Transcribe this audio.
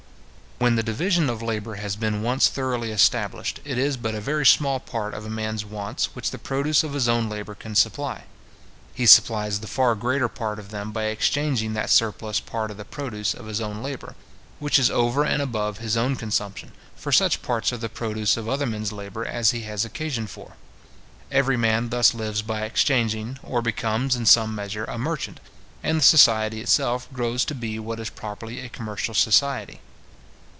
When the division of labour has been once thoroughly established, it is but a very small part of a man's wants which the produce of his own labour can supply. He supplies the far greater part of them by exchanging that surplus part of the produce of his own labour, which is over and above his own consumption, for such parts of the produce of other men's labour as he has occasion for. Every man thus lives by exchanging, or becomes, in some measure, a merchant, and the society itself grows to be what is properly a commercial society.